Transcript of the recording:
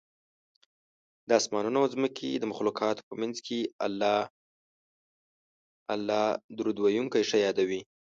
د اسمانونو او ځمکې د مخلوقاتو په منځ کې الله درود ویونکی ښه یادوي